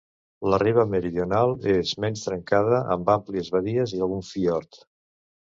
La riba meridional és menys trencada, amb àmplies badies i algun fiord.